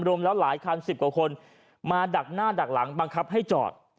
รวมแล้วหลายคัน๑๐กว่าคนมาดักหน้าดักหลังบังคับให้จอด